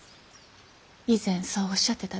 以前そうおっしゃってたでしょ。